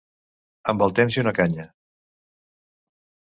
Amb el temps i una canya.